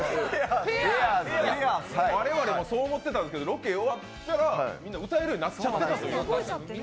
我々もそう思ってたんですけど、ロケ終わったらみんな歌えるようになってたんです。